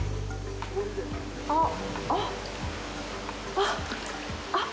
あっ、あっ。